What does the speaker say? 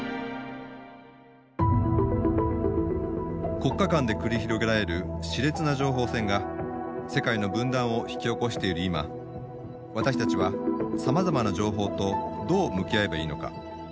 国家間で繰り広げられるしれつな情報戦が世界の分断を引き起こしている今私たちはさまざまな情報とどう向き合えばいいのか。